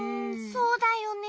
そうだよね。